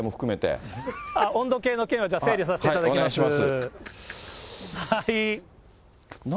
温度計の件はじゃあ、整理さお願いします。